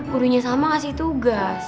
burunya salma ngasih tugas